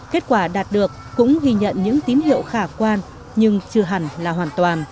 kết quả đạt được cũng ghi nhận những tín hiệu khả quan nhưng chưa hẳn là hoàn toàn